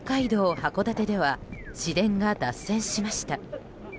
函館では市電が脱線しました。